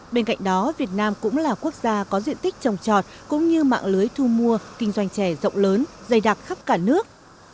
bên cạnh đó việt nam cũng là quốc gia có diện tích trồng trọt cũng như mạng lưới thu mua kinh doanh chè rộng lớn dày đặc khắp cả nước